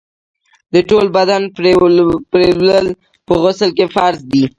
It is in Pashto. د ټول بدن پرېولل په غسل کي فرض دي.